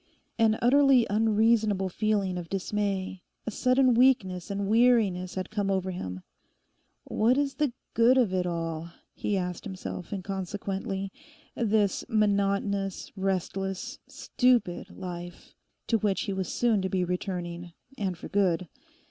An utterly unreasonable feeling of dismay, a sudden weakness and weariness had come over him. 'What is the good of it all?' he asked himself inconsequently—this monotonous, restless, stupid life to which he was soon to be returning, and for good.